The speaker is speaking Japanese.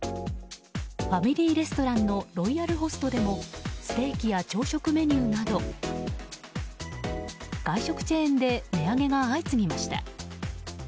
ファミリーレストランのロイヤルホストでもステーキや朝食メニューなど外食チェーンで値上げが相次ぎました。